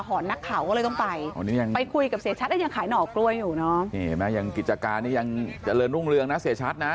เห็นไหมอังกฤษการนี่ยังเจริญรุ่งเรืองนะเสียชัดนะ